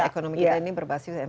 ekonomi kita ini berbasis